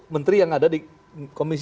menteri yang ada di komisi